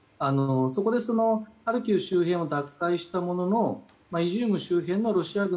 そこでハルキウ周辺を奪回したもののイジューム